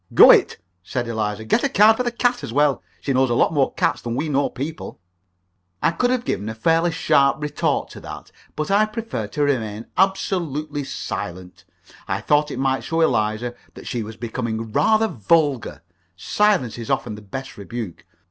"Go it!" said Eliza. "Get a card for the cat as well. She knows a lot more cats than we know people!" I could have given a fairly sharp retort to that, but I preferred to remain absolutely silent. I thought it might show Eliza that she was becoming rather vulgar. Silence is often the best rebuke.